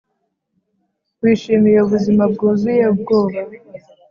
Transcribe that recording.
wishimiye ubuzima bwuzuye ubwoba,